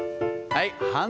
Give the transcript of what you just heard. はい。